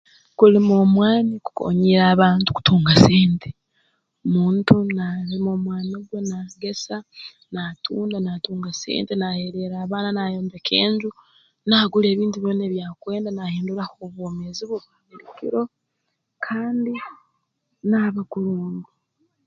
Kulima omwani kukoonyiire abantu kutunga sente muntu naalima omwani gwe naagesa naatunda naatunga sente naahererra abaana naayombeka enju naagura ebintu byona ebi akwenda nahinduraho obwomezi obwa buli kiro kandi naaba kurungi